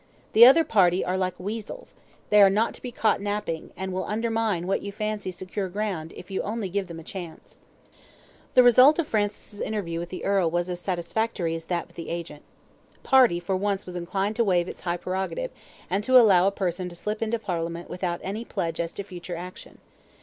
The other party are like weasels they are not to be caught napping; and will undermine what you fancy secure ground, if you only give them a chance." The result of Francis' interview with the earl was as satisfactory as that with the agent. Party for once was inclined to waive its high prerogative, and to allow a person to slip into Parliament without any pledge as to future action.